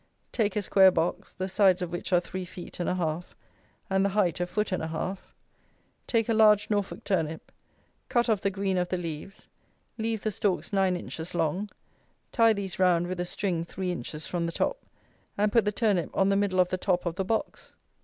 Take a square box, the sides of which are three feet and a half, and the height a foot and a half. Take a large Norfolk turnip, cut off the green of the leaves, leave the stalks 9 inches long, tie these round with a string three inches from the top, and put the turnip on the middle of the top of the box.